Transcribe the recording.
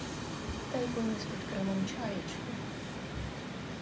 Та й поніс під крилом чаєчку.